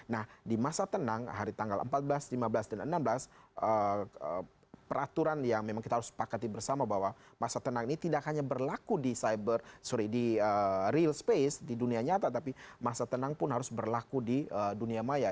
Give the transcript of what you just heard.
nah di masa tenang hari tanggal empat belas lima belas dan enam belas peraturan yang memang kita harus sepakati bersama bahwa masa tenang ini tidak hanya berlaku di cyber sorry di real space di dunia nyata tapi masa tenang pun harus berlaku di dunia maya